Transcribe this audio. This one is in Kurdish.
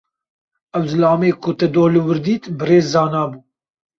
Ew zilamê ku te doh li wir dît, Birêz Zana bû.